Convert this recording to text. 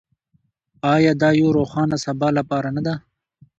آیا د یو روښانه سبا لپاره نه ده؟